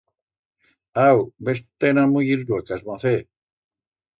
Au, ves-te-ne a muyir luecas, mocet!